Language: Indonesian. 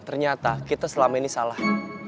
ternyata kita selama ini salah